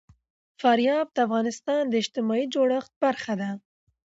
فاریاب د افغانستان د اجتماعي جوړښت برخه ده.